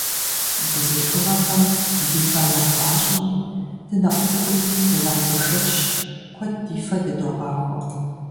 Бзылъхугъэхэм ди фэр нэхъ пӀащӀэми, дынэхъ цӀыкӀуми, дынэхъ бэшэчщ, куэд ди фэ дыдогъахуэ.